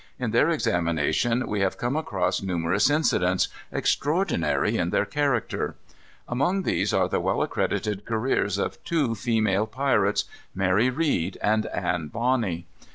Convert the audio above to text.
In their examination we have come across numerous incidents, extraordinary in their character. Among these are the well accredited careers of two female pirates, Mary Read and Anne Bonny.